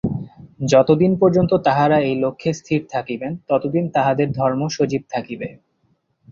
যতদিন পর্যন্ত তাঁহারা এই লক্ষ্যে স্থির থাকিবেন, ততদিন তাঁহাদের ধর্ম সজীব থাকিবে।